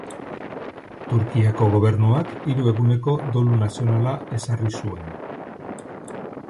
Turkiako gobernuak hiru eguneko dolu nazionala ezarri zuen.